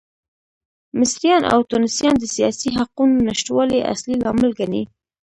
مصریان او ټونسیان د سیاسي حقونو نشتوالی اصلي لامل ګڼي.